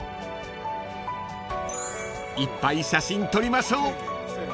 ［いっぱい写真撮りましょう］